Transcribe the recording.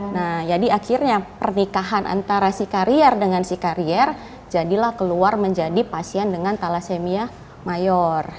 nah jadi akhirnya pernikahan antara si karier dengan si karier jadilah keluar menjadi pasien dengan thalassemia mayor